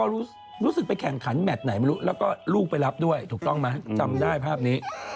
รู้สึกไปแข่งขันในแมทไหน